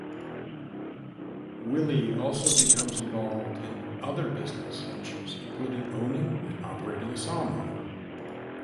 Willey also became involved in other business ventures, including owning and operating a sawmill.